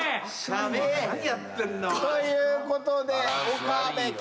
ということで。